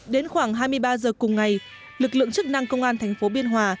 đến khoảng hai mươi ba h cùng ngày lực lượng chức năng công an thành phố biên hòa